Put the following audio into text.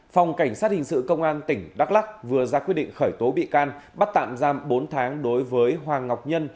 phòng cảnh sát hình sự công an tỉnh đắk lắc vừa ra quyết định khởi tố bị can bắt tạm giam bốn tháng đối với hoàng ngọc nhân